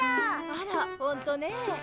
あらほんとねえ。